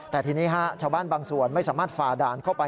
แต่ทีนี้ชาวบ้านบางส่วนไม่สามารถฝ่าด่านเข้าไป